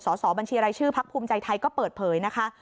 สอบบัญชีรายชื่อพักภูมิใจไทยก็เปิดเผยนะคะ